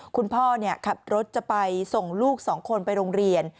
คุณพ่อขับรถจะไปส่งลูก๒คนไปโรงเรียน